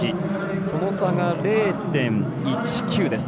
その差が０．１９です。